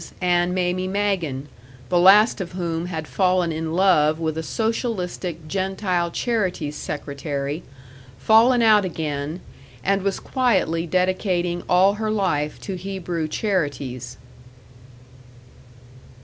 and Mamie Magen, the last of whom had fallen in love with a socialistic Gentile charities secretary, fallen out again, and was quietly dedicating all her life to Hebrew charities.